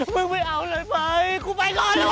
มึงไม่เอาเลยไหมกูไปก่อนเลยเว้ย